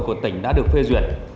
của tỉnh đã được phê duyệt